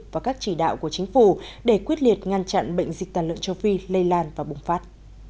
và các chỉ đạo của chính phủ để quyết liệt ngăn chặn bệnh dịch tàn lượng châu phi lây lan và bùng phát